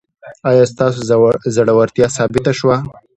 ایا ستاسو زړورتیا ثابته شوه؟